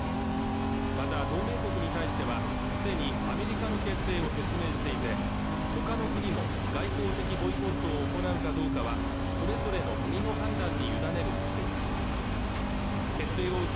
また同盟国に対してはすでにアメリカの決定を説明していてほかの国も外交的ボイコットを行うかどうかはそれぞれの国の判断に委ねるとしています決定を受け